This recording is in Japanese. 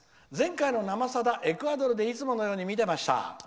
前回の「生さだ」、エクアドルでいつものように見てました。